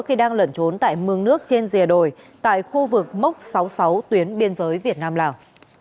khi đang lẩn trốn tại mương nước trên rìa đồi tại khu vực mốc sáu mươi sáu tuyến biên giới việt nam lào